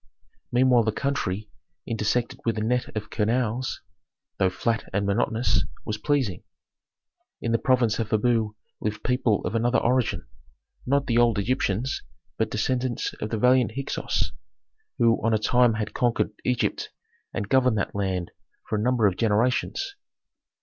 Meanwhile the country, intersected with a net of canals, though flat and monotonous, was pleasing. In the province of Habu lived people of another origin: not the old Egyptians, but descendants of the valiant Hyksos, who on a time had conquered Egypt and governed that land for a number of generations.